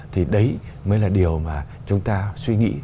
thì đấy mới là điều mà chúng ta suy nghĩ